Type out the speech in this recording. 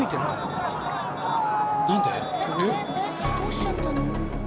どうしちゃったの？